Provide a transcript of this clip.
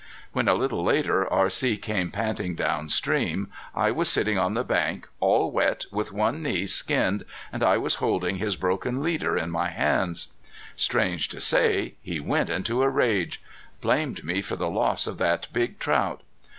When, a little later, R.C. came panting down stream I was sitting on the bank, all wet, with one knee skinned and I was holding his broken leader in my hands. Strange to say, he went into a rage! Blamed me for the loss of that big trout!